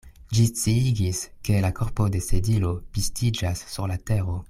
Ĝi sciigis, ke la korpo de Sedilo pistiĝas sur la tero.